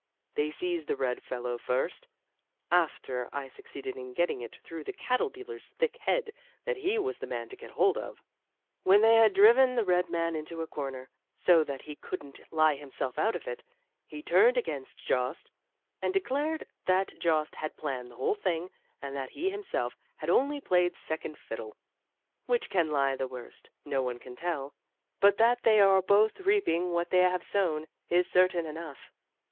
They seized the red fellow first, after I succeeded in getting it through the cattle dealer's thick head that he was the man to get hold of. When they had driven the red man into a corner, so that he couldn't lie himself out of it, he turned against Jost, and declared that Jost had planned the whole thing and that he himself had only played second fiddle. Which can lie the worst, no one can tell, but that they are both reaping what they have sown, is certain enough.